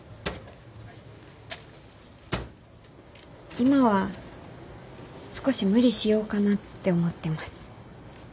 今は少し無理しようかなって思ってます。